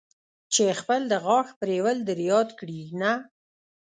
چې خپل د غاښ پرېولل در یاد کړي، نه.